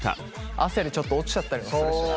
汗でちょっと落ちちゃったりもするしな。